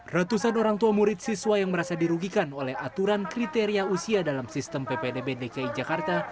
ratusan orang tua murid siswa yang merasa dirugikan oleh aturan kriteria usia dalam sistem ppdb dki jakarta